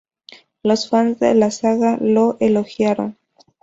Los fans de la saga lo elogiaron.